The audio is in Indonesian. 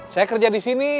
saya kerja di sini